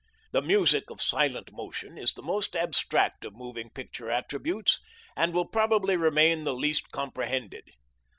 The music of silent motion is the most abstract of moving picture attributes and will probably remain the least comprehended.